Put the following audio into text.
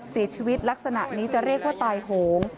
เสียชีวิตลักษณะนี้จะเรียกว่าตายโหง